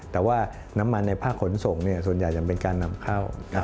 แต่ว่าน้ำมันในภาคขนส่งส่วนใหญ่ยังเป็นการนำเข้า